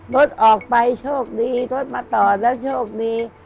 รถออกไปโชคดีรถมาต่อแล้วโชคดี